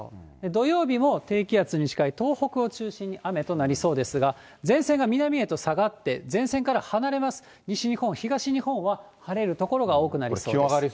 土曜日も低気圧に近い東北を中心に、雨となりそうですが、前線が南へと下がって、前線から離れます、西日本、東日本は晴れる所が多くなりそうです。